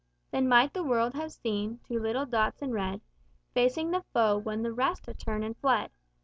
"Then might the world have seen two little dots in red, Facing the foe, when the rest had turned and fled!